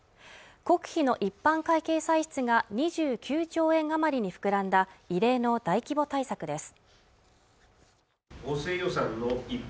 国費の一般会計歳出が２９兆円余りに膨らんだ異例の大規模対策です